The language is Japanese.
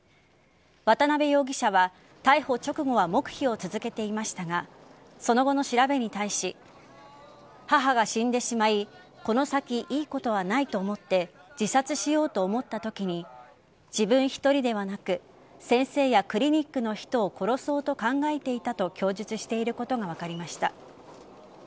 渡辺容疑者は逮捕直後は黙秘を続けていましたがその後の調べに対し母が死んでしまいこの先いいことはないと思って自殺しようと思ったときに自分１人ではなく先生やクリニックの人を殺そうと考えていたと供述していることが分かりました。